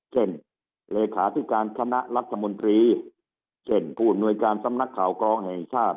เลขาธิการคณะรัฐมนตรีเช่นผู้อำนวยการสำนักข่าวกรองแห่งชาติ